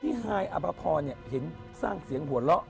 พี่หายอับปะพรเห็นสร้างเสียงหัวเลาะ